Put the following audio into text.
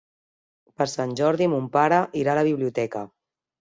Per Sant Jordi mon pare irà a la biblioteca.